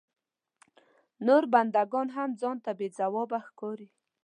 نور بنده ګان هم ځان ته بې ځوابه ښکاري.